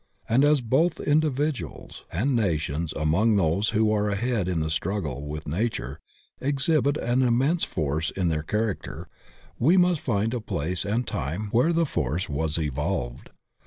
And as both individuals and nations among those who are ahead in the strug gle with nature exhibit an immense force in tfieir character, we must find a place and time where the force was evolved.